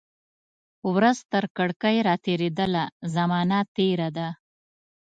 ورځ ترکړکۍ را تیریدله، زمانه تیره ده